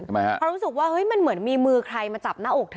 เพราะรู้สึกว่าเฮ้ยมันเหมือนมีมือใครมาจับหน้าอกเธอ